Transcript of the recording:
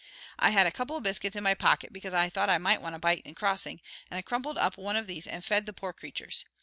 I had a couple of biscuits in my pocket, because I had thought I might want a bite in crossing, and I crumpled up one of these and fed the poor creatures.